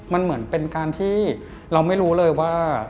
มันเหมือนเป็นการที่เราไม่รู้เลยว่า